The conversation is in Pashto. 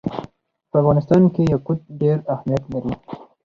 په افغانستان کې یاقوت ډېر اهمیت لري.